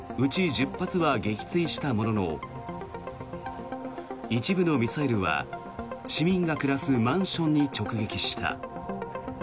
１０発は撃墜したものの一部のミサイルは市民が暮らすマンションに直撃した。